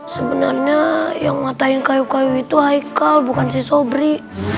sebenarnya yang matang kayu kayu itu haikal bukan si sobri